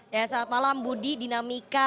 ya selamat malam budi dinamika